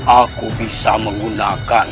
aku bisa menggunakan